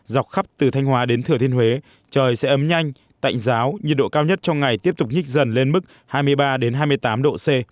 dọc khắp từ thanh hóa đến thừa thiên huế trời sẽ ấm nhanh tạnh giáo nhiệt độ cao nhất trong ngày tiếp tục nhích dần lên mức hai mươi ba hai mươi tám độ c